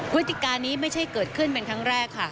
วิธีการนี้ไม่ใช่เกิดขึ้นเป็นครั้งแรกค่ะ